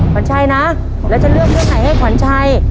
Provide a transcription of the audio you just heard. ขวัญชัยนะแล้วจะเลือกเรื่องไหนให้ขวัญชัย